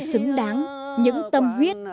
xứng đáng những tâm huyết